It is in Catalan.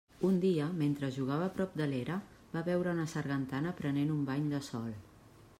Un dia, mentre jugava prop de l'era, va veure una sargantana prenent un bany de sol.